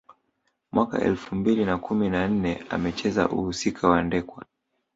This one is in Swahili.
Mwaka elfu mbili na kumi na nne amecheza uhusika wa Ndekwa